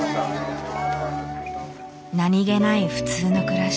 何気ない普通の暮らし。